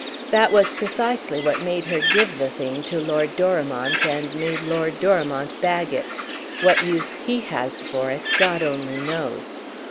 That was precisely what made her give the thing to Lord Dorimont and made Lord Dorimont bag it. What use he has for it God only knows.